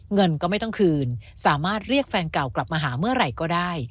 เงินก็ไม่ต้องคืนสามารถเรียกแฟนเก่ากลับมาหาเมื่อไหร่ก็ได้